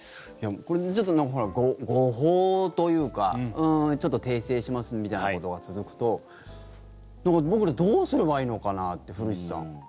ちょっと誤報というか訂正しますみたいなことが続くと僕ら、どうすればいいのかなって古市さん。